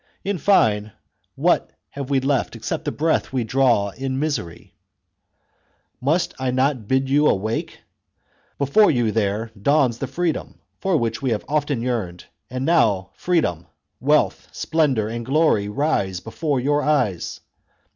In fine, what have we left except the breath we draw in misery ?" Must I not then bid you awake ? Before you there dawns the freedom for which you have often yearned, and now freedom, wealth, splendour, and glory rise before your eyes.